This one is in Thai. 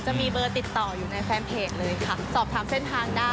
จะมีเบอร์ติดต่ออยู่ในแฟนเพจเลยค่ะสอบถามเส้นทางได้